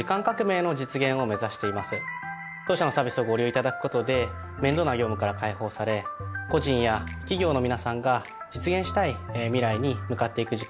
当社のサービスをご利用頂く事で面倒な業務から解放され個人や企業の皆さんが実現したい未来に向かっていく時間を創ります。